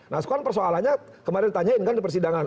nah sekarang persoalannya kemarin ditanyain kan di persidangan